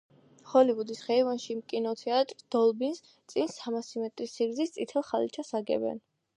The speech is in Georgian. ჰოლივუდის ხეივანში, კინოთეატრ „დოლბის“ წინ, სამასი მეტრის სიგრძის წითელ ხალიჩას აგებენ.